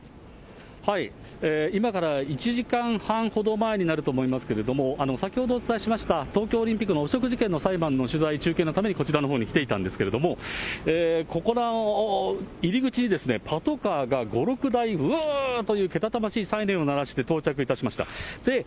今から１時間半ほど前になると思いますけれども、先ほどお伝えしました東京オリンピックの汚職事件の裁判の取材・中継のためにこちらのほうに来ていたんですけれども、ここの入り口に、パトカーが５、６台、ううーというけたたましいサイレンを鳴らして到着いたしました。